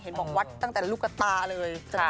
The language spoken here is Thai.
บอกวัดตั้งแต่ลูกตาเลย